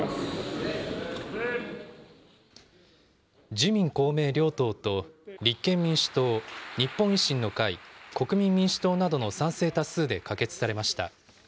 自民、公明両党と立憲民主党、日本維新の会、国民民主党などの賛成多数で可決されました。